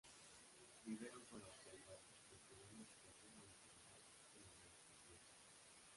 Vivieron con austeridad, destinando su fortuna a la caridad y la beneficencia.